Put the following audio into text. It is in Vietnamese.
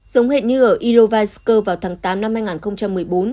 giống hệt như ở ilovanskoye vào tháng tám năm hai nghìn một mươi bốn